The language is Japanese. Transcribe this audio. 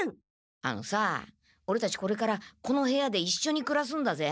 あのさオレたちこれからこの部屋でいっしょにくらすんだぜ。